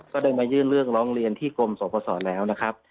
ก็ได้มายื่นเรื่องร้องเรียนที่กรมสอบพศแล้วนะครับ